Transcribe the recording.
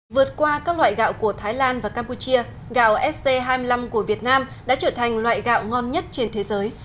vượt qua các loại gạo của thái lan và campuchia gạo st hai mươi năm của việt nam đã trở thành loại gạo ngon nhất trên thế giới